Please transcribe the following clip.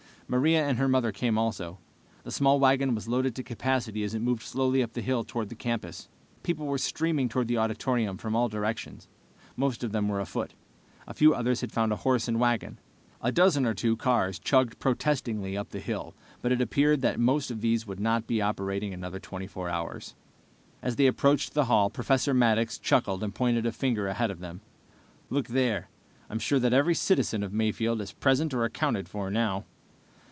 Maria and her mother came also. The small wagon was loaded to capacity as it moved slowly up the hill toward the campus. People were streaming toward the auditorium from all directions. Most of them were afoot. A few others had found a horse and wagon. A dozen or two cars chugged protestingly up the hill, but it appeared that most of these would not be operating another 24 hours. As they approached the hall, Professor Maddox chuckled and pointed a finger ahead of them. "Look there. I'm sure that every citizen of Mayfield is present or accounted for, now."